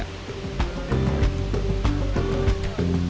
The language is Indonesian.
inilah salah satu lokasi terbaik untuk berselanja